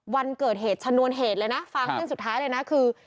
วันเกิดเหตุชนวนเหตุเลยนะฟังเส้นสุดท้ายเลยนะคือ